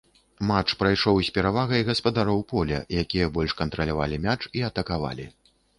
Матч прайшоў з перавагай гаспадароў поля, якія больш кантралявалі мяч і атакавалі.